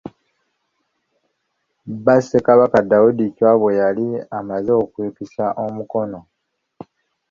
Bba Ssekabaka Daudi Chwa bwe yali amaze okukisa omukono.